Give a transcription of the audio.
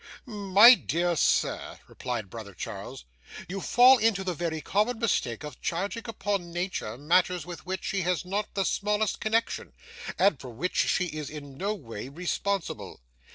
'My dear sir,' replied brother Charles, 'you fall into the very common mistake of charging upon Nature, matters with which she has not the smallest connection, and for which she is in no way responsible.